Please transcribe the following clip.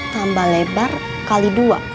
tambah lebar kali dua